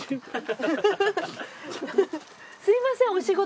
すみませんお仕事